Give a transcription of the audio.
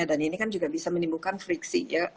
dan ini kan juga bisa menimbulkan friksi